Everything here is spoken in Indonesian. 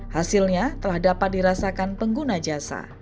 hasilnya telah dapat dirasakan pengguna jasa